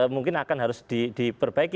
mungkin akan harus diperbaiki